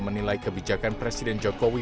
menilai kebijakan presiden jokowi